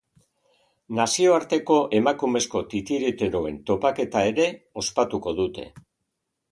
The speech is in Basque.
Nazioarteko emakumezko titiriteroen topaketa ere ospatuko dute.